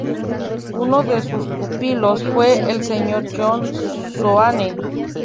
Uno de sus pupilos fue el señor John Soane.